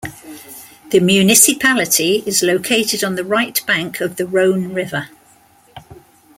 The municipality is located on the right bank of the Rhone river.